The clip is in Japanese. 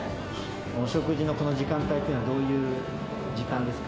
お食事のこの時間帯というのは、どういう時間ですか？